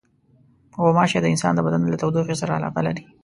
غوماشې د انسان د بدن له تودوخې سره علاقه لري.